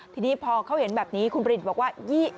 ทีนี้พอเขาเห็นแบบนี้คุณประดิษฐ์บอกว่า